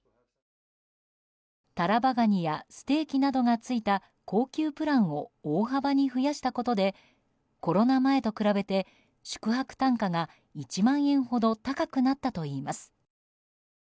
タラバガニやステーキなどがついた高級プランを大幅に増やしたことでコロナ前と比べて宿泊単価が１万円ほど高くなったといいます。